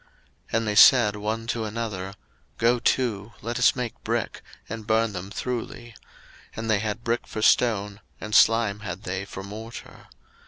01:011:003 And they said one to another, Go to, let us make brick, and burn them thoroughly. And they had brick for stone, and slime had they for morter.